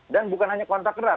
dan bukan hanya kontak erat